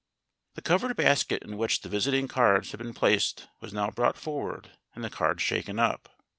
The covered basket in which the visiting cards had been placed was now brought forward and the cards shaken up.